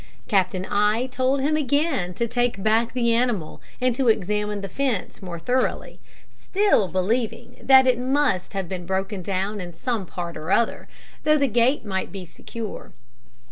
Captain I told him again to take back the animal, and to examine the fence more thoroughly, still believing that it must have been broken down in some part or other, though the gate might be secure.